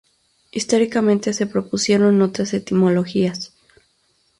Históricamente se propusieron otras etimologías.